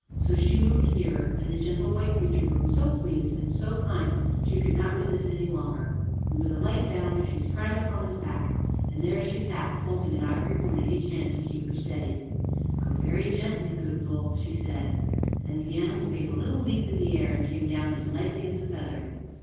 So she moved nearer, and the gentle white creature looked so pleased, and so kind, she could not resist any longer, and with a light bound she sprang up on his back: and there she sat holding an ivory horn in each hand to keep her steady. "Go very gently, good bull," she said, and the animal gave a little leap in the air and came down as lightly as a feather.